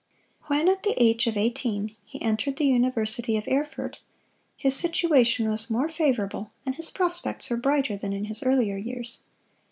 When, at the age of eighteen, he entered the University of Erfurt, his situation was more favorable and his prospects were brighter than in his earlier years.